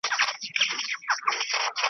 لر او بر افغانان راټول سوي دي .